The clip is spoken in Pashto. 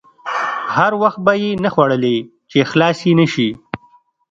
هر وخت به یې نه خوړلې چې خلاصې نه شي.